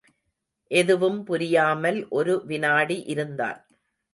எதுவும் புரியாமல் ஒரு வினாடி இருந்தான்.